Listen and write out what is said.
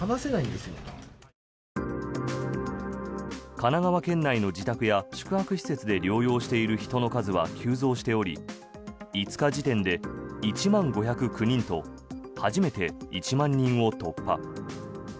神奈川県内の自宅や宿泊施設で療養している人の数は急増しており５日時点で１万５０９人と初めて１万人を突破。